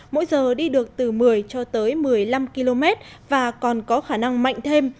mỗi giờ đi được từ một mươi cho tới một mươi năm km và còn có khả năng mạnh thêm